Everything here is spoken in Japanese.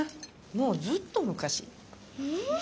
もうずっと昔。